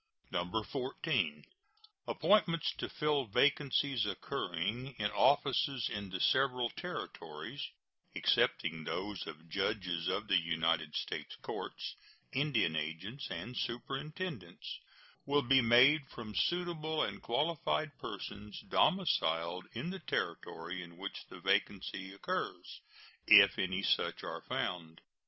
14. Appointments to fill vacancies occurring in offices in the several Territories, excepting those of judges of the United States courts, Indian agents, and superintendents, will be made from suitable and qualified persons domiciled in the Territory in which the vacancy occurs, if any such are found.